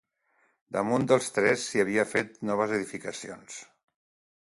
Damunt dels tres s'hi ha fet noves edificacions.